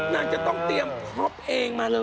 นางจะต้องเตรียมท็อปเองมาเลย